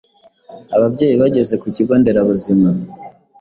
Ababyeyi bageze ku kigo nderabuzima